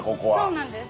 そうなんです。